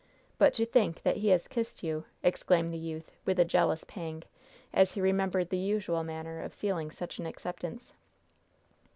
But to think that he has kissed you!" exclaimed the youth, with a jealous pang, as he remembered the usual manner of sealing such an acceptance.